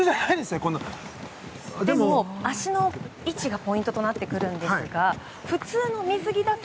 でも、足の位置がポイントとなってくるんですが普通の水着だと